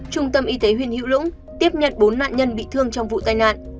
trung tâm y tế huyện hữu lũng tiếp nhận bốn nạn nhân bị thương trong vụ tai nạn